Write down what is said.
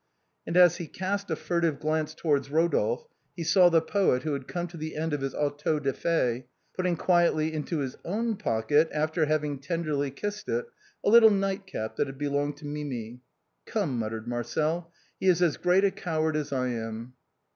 And as he cast a furtive glance towards Rodolphe, he saw the poet, who had come to the end of his auto da fe, putting quietly into his own pocket, after having tenderly kissed it, a little night cap that had belonged to Mimi. " Come," muttered Marcel, " he is as great a coward as I am."